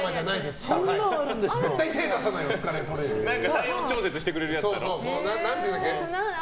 体温調節してくれるやつでしょ。